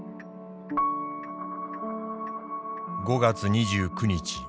「５月２９日。